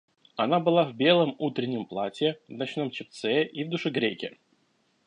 Она была в белом утреннем платье, в ночном чепце и в душегрейке.